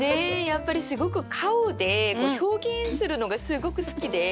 やっぱりすごく顔で表現するのがすごく好きで。